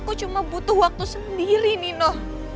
aku cuma butuh waktu sendiri nino